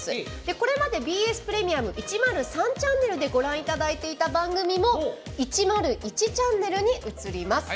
これまでＢＳプレミアム１０３チャンネルでご覧いただいていた番組も１０１チャンネルに移ります。